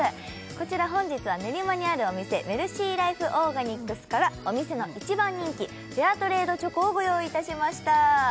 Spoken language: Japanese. こちら本日は練馬にあるお店メルシーライフオーガニックスからお店の一番人気フェアトレードチョコをご用意いたしました